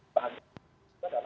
kalau safari ke kapolri